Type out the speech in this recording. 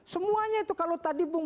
semuanya itu kalau tadi bung